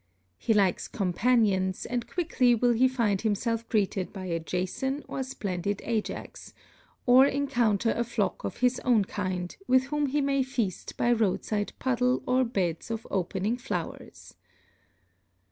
He likes companions, and quickly will he find himself greeted by a Jason or splendid Ajax, or encounter a flock of his own kind, with whom he may feast by roadside puddle or beds of opening flowers.